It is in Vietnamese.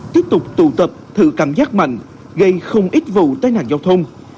tiếp tục tụ tập thử cảm giác mạnh gây không ít vụ tai nạn giao thông